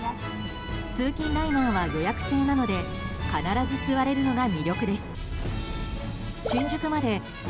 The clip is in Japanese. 通勤ライナーは予約制なので必ず座れるのが魅力です。